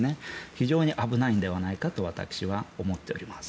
非常に危ないのではないかと私は思っております。